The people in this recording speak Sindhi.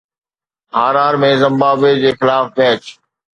هارار ۾ زمبابوي جي خلاف ميچ